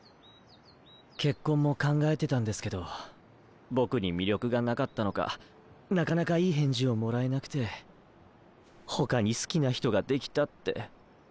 結婚も考えてたんですけど僕に魅力がなかったのかなかなかいい返事をもらえなくて他に好きな人ができたって。